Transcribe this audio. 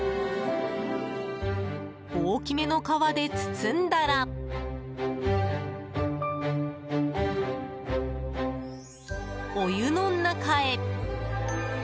大きめの皮で包んだらお湯の中へ。